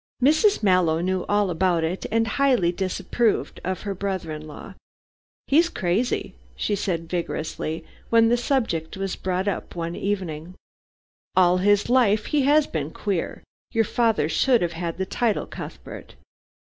Mrs. Mallow knew all about it, and highly disapproved of her brother in law. "He's crazy," she said vigorously, when the subject was brought up one evening. "All his life he has been queer. Your father should have had the title, Cuthbert!"